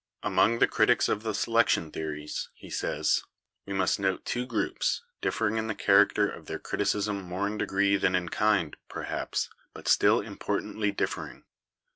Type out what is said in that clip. ''Among the critics of the selection theories," he says, "we must note two groups, differing in the character of their criticism more in degree than in kind, perhaps, but still importantly differing.